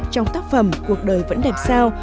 trong tác phẩm cuộc đời vẫn đẹp sao